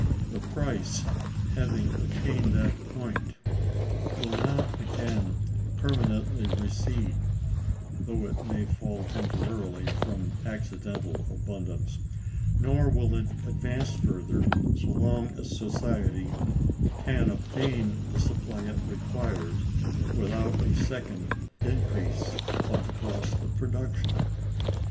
The price, having attained that point, will not again permanently recede (though it may fall temporarily from accidental abundance); nor will it advance further, so long as society can obtain the supply it requires without a second increase of the cost of production.